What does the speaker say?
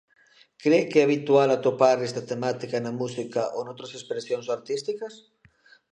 Cre que é habitual atopar esta temática na música ou noutras expresións artísticas?